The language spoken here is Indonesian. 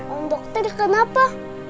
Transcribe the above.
om dokter kenapa